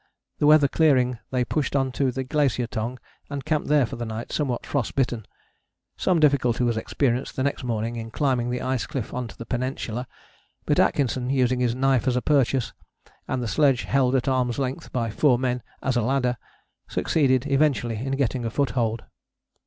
The weather clearing they pushed on to the Glacier Tongue, and camped there for the night somewhat frost bitten. Some difficulty was experienced the next morning in climbing the ice cliff on to the Peninsula, but Atkinson, using his knife as a purchase, and the sledge held at arm's length by four men as a ladder, succeeded eventually in getting a foothold.